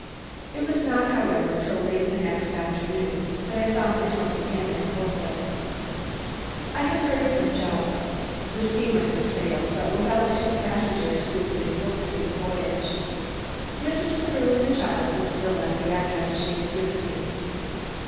It was not, however, till late the next afternoon that I found myself again in Homewood. I had heard from Jupp. The steamer had sailed, but without two passengers who had been booked for the voyage. Mrs. Carew and the child were still at the address she had given me.